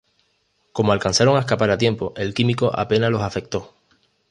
Como alcanzaron a escapar a tiempo, el químico apenas los afectó.